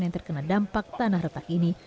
yang terkena dampak tanah retak ini